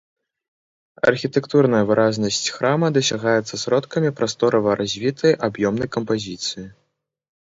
Архітэктурная выразнасць храма дасягаецца сродкамі прасторава развітай аб'ёмнай кампазіцыі.